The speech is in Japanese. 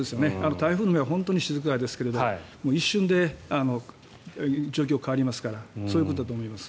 台風の目は本当に静かですが一瞬で状況が変わりますからそういうことだと思います。